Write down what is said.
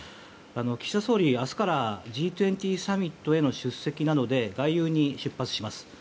岸田総理、明日からＧ２０サミットへの出席などで外遊に出発します。